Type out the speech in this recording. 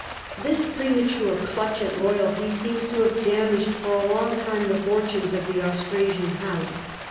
This premature clutch at royalty seems to have damaged for a long time the fortunes of the Austra sian house.